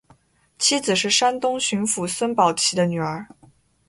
妻子是山东巡抚孙宝琦的女儿。